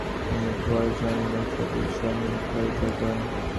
তিনি খোয়ারাজম এবং সোগাদিয়ার সমরকন্দ জয় করেন।